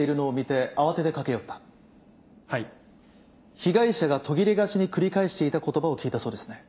被害者が途切れがちに繰り返していた言葉を聞いたそうですね。